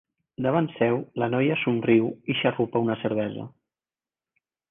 Davant seu, la noia somriu i xarrupa una cervesa.